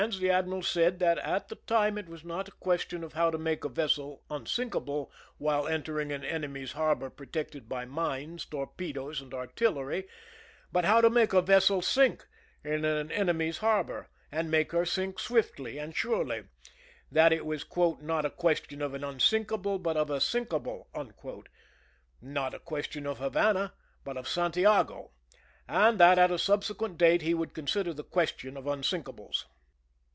THE SCHEME AND THE PREPARATIONS admiral said that at the time it was not a ques tion of how to make a vessel unsinkable while entering an enemy's harbor protected by mines, torpedoes, and artillery, but how to make a vessel sink in an enemy's harbor, and make her sink swiftly and surely ; that it was " not a question of an unsinkable, but of a sinkable "; not a question of Havana, but of Santiago ; and that at a subse quent date he would consider the question of unsinkables.